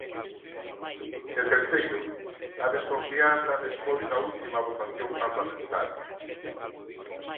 E terceiro, a desconfianza despois da última votación parlamentaria.